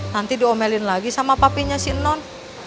nanti diomelin lagi sama papanya si non